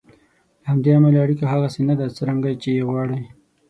له همدې امله اړیکه هغسې نه ده څرنګه چې یې غواړئ.